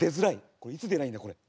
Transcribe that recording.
これいつ出りゃいいんだこれ。